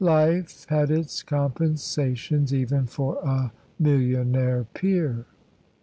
Life had its compensations, even for a millionaire peer.